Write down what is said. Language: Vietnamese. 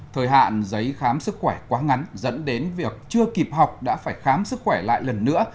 thời hạn giấy khám sức khỏe quá ngắn dẫn đến việc chưa kịp học đã phải khám sức khỏe lại lần nữa